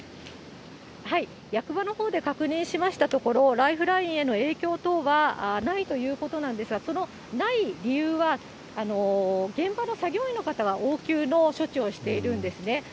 役場のほうで確認しましたところ、ライフラインへの影響等はないということなんですが、そのない理由は、現場の作業員の方が応急の処置をしているんですね。